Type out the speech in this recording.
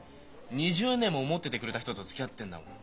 ２０年も思っててくれた人とつきあってんだもん。